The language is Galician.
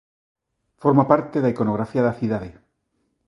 Forma parte da iconografía da cidade.